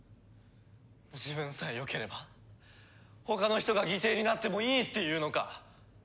自分さえよければ他の人が犠牲になってもいいっていうのか。